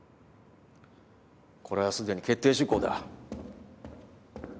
これはすでに決定事項だ。